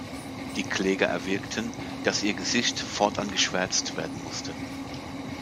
Die Kläger erwirkten, dass ihr Gesicht fortan geschwärzt werden musste.